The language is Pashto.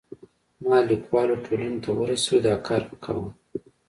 ما لیکوالو ټولنې ته ورسوی، دا کار مې کاوه.